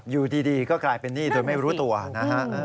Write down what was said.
อยู่ดีก็กลายเป็นหนี้โดยไม่รู้ตัวนะฮะ